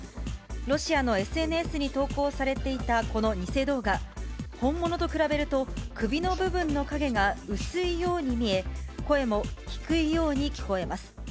ロシアのＳＮＳに投稿されていた、この偽動画、本物と比べると、首の部分の影が薄いように見え、声も低いように聞こえます。